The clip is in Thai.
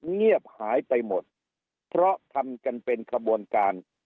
เงียบหายไปหมดเพราะทำกันเป็นขบวนการ